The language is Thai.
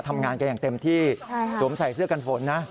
ทำงานกันอย่างเต็มที่สวมใส่เสื้อกันฝนนะ